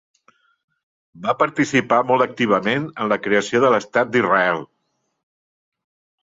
Va participar molt activament en la creació de l'Estat d'Israel.